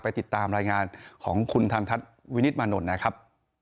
ติดตามรายงานของคุณทันทัศน์วินิตมานนท์นะครับ